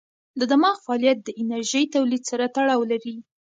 د دماغ فعالیت د انرژۍ تولید سره تړاو لري.